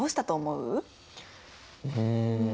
うん。